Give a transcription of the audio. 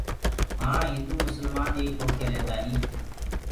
وهآن هندو مسلمآن ايڪ هوڪي ريهدآئين